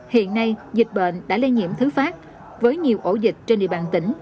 hiện nay dịch bệnh đã lây nhiễm thứ phát với nhiều ổ dịch trên địa bàn tỉnh